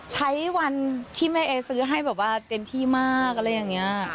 ใช้วันที่แม่เอซื้อให้แบบว่าเต็มที่มากอะไรอย่างนี้